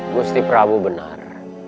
gusti pramu benar